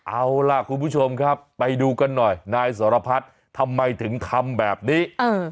เอาล่ะคุณผู้ชมครับไปดูกันหน่อยนายสรพัฒน์ทำไมถึงทำแบบนี้